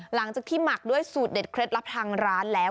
หลังจากที่หมักด้วยสูตรเด็ดเคล็ดลับทางร้านแล้ว